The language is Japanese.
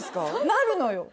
なるのよ